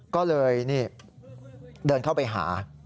ก็เลยนี่เดินเข้าไปหา